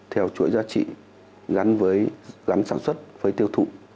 theo chuỗi giá trị gắn sản xuất với tiêu thụ